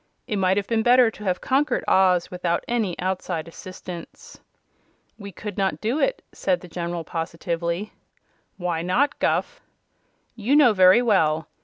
It might have been better to have conquered Oz without any outside assistance." "We could not do it," said the General, positively. "Why not, Guph?" "You know very well.